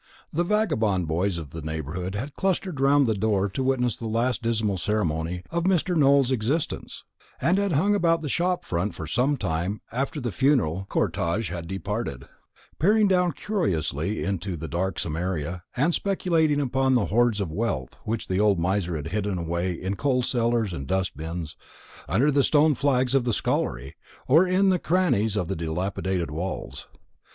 The vagabond boys of the neighbourhood had clustered round the door to witness the last dismal ceremony of Mr. Nowell's existence, and had hung about the shop front for some time after the funeral cortège had departed, peering curiously down into the darksome area, and speculating upon the hoards of wealth which the old miser had hidden away in coal cellars and dust bins, under the stone flags of the scullery, or in the crannies of the dilapidated walls.